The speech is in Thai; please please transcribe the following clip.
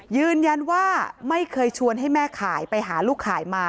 ยืนยันว่าไม่เคยชวนให้แม่ขายไปหาลูกขายมา